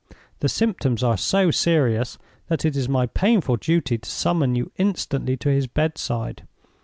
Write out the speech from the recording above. The symptoms are so serious, that it is my painful duty to summon you instantly to his bedside.